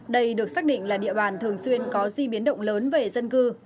đây được xác định là địa bàn thường xuyên có di biến động lớn về dân cư